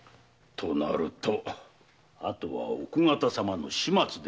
となるとあとは奥方様の始末でございますな。